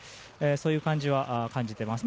そういう感じは感じています。